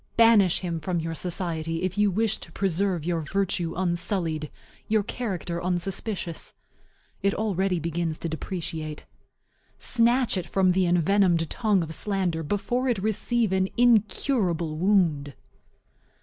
Banish him from your society if you wish to preserve your virtue unsullied, your character unsuspicious. It already begins to depreciate. Snatch it from the envenomed tongue of slander before it receive an incurable wound.